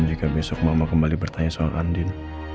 jika besok mama kembali bertanya soal andin